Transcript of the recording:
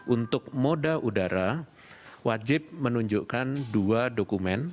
untuk moda udara wajib menunjukkan dua dokumen